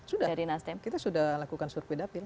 sudah kita sudah lakukan survei dapil